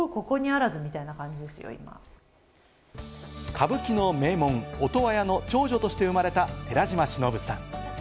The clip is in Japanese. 歌舞伎の名門・音羽屋の長女として生まれた寺島しのぶさん。